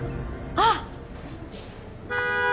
あっ